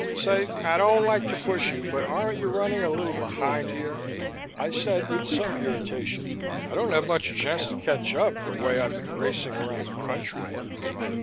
Say, I don't like to push you, but aren't you running a little behind here?" I said with some irritation, "I don't have much chance to catch up, the way I've been racing around the country, you know.